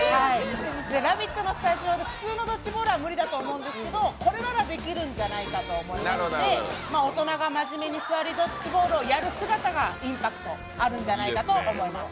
「ラヴィット！」のスタジオで普通のドッジボールは無理だと思うんですけどこれならできるんじゃないかと思いまして大人が真面目に「座りドッジボール」をやる姿がインパクトあるんじゃないかと思います。